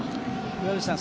岩渕さん